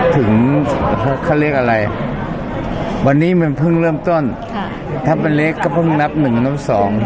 ถึงเขาเรียกอะไรวันนี้มันเพิ่งเริ่มต้นค่ะถ้าเป็นเลขก็เพิ่งนับหนึ่งนับสอง